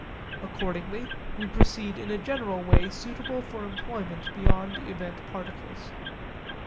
Accordingly we proceed in a general way suitable for employment beyond event particles.